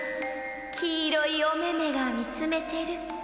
「きいろいおめめがみつめてる。